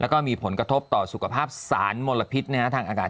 แล้วก็มีผลกระทบต่อสุขภาพสารมลพิษทางอากาศ